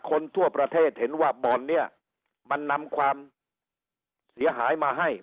คนทั่วประเทศเห็นว่าบ่อนเนี่ยมันนำความเสียหายมาให้